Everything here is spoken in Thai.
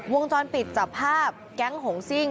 วงจรปิดจับภาพแก๊งหงซิ่ง